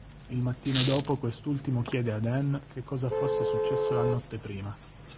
Il mattino dopo quest'ultimo chiede ad Ann che cosa fosse successo la notte prima.